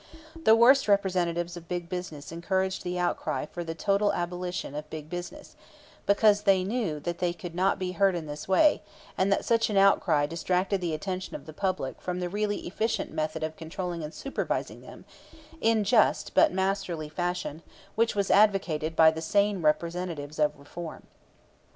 The worst representatives of big business encouraged the outcry for the total abolition of big business, because they knew that they could not be hurt in this way, and that such an outcry distracted the attention of the public from the really efficient method of controlling and supervising them, in just but masterly fashion, which was advocated by the sane representatives of reform.